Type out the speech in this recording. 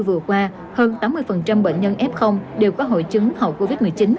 vừa qua hơn tám mươi bệnh nhân f đều có hội chứng hậu covid một mươi chín